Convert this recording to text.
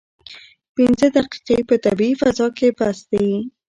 پنځه دقیقې په طبیعي فضا کې بس دي.